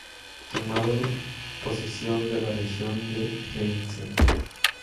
Tomando posesión de la región de Tlemcen.